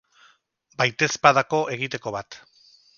Baitezpadako egiteko bat.